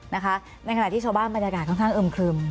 ในขณะที่ชาวบ้านบรรยากาศค่อนข้างอึมครึม